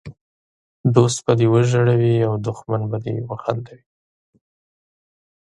دوست به دې وژړوي او دښمن به دي وخندوي!